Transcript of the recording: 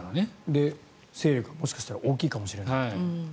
で、勢力がもしかしたら大きいかもしれないと。